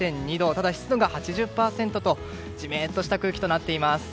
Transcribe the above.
ただ、湿度が８０％とジメッとした空気となっています。